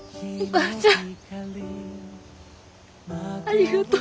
お母ちゃん。